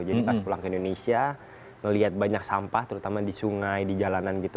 jadi pas pulang ke indonesia ngeliat banyak sampah terutama di sungai di jalanan gitu